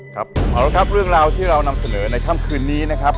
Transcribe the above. ครับผมเอาละครับเรื่องราวที่เรานำเสนอในค่ำคืนนี้นะครับ